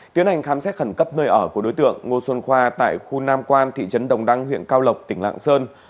tiến hành khám xét khẩn cấp nơi ở của đối tượng ngô xuân khoa tại khu nam quan thị trấn đồng đăng huyện cao lộc tỉnh lạng sơn